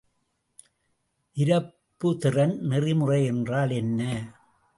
நிரப்புதிறன் நெறிமுறை என்றால் என்ன?